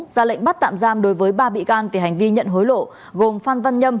ra lệnh bắt tạm giam đối với ba bị can về hành vi nhận hối lộ gồm phan văn nhâm